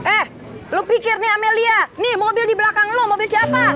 eh lo pikir nih amelia nih mobil di belakang lo mobil siapa